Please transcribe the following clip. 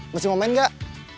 masih mau main gak